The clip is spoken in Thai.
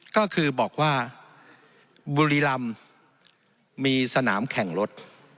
ก็คือบอกว่าบุรีรำมีสนามแข่งรถ